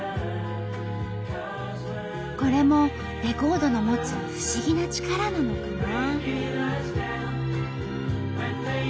これもレコードの持つ不思議な力なのかな。